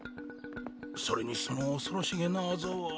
それにしても恐ろしげなアザは。